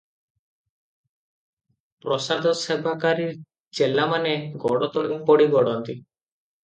ପ୍ରସାଦସେବାକାରୀ ଚେଲାମାନେ ଗୋଡ଼ତଳେ ପଡ଼ି ଗଡ଼ନ୍ତି ।